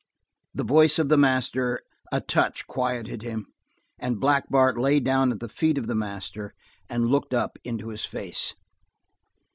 The voice of the master, a touch quieted him, and Black Bart lay down at the feet of the master and looked up into his face.